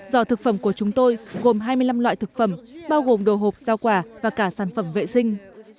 giò thực phẩm của chúng tôi gồm hai mươi năm loại thực phẩm bao gồm đồ hộp rau quả và cả sản phẩm vệ sinh